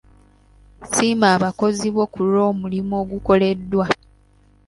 Siima abakozi bo ku lw'omulimu ogukoleddwa.